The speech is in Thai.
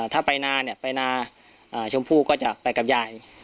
ถ้าไปนานไปนานชมพูก็จะไปกับยาย